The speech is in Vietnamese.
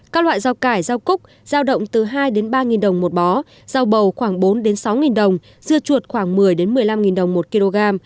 các loại rau cải rau cúc giao động từ hai ba đồng một bó rau bầu khoảng bốn sáu đồng dưa chuột khoảng một mươi một mươi năm đồng một kg